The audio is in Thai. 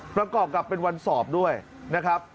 ประกอบกับเป็นวันสอบด้วยนะครับ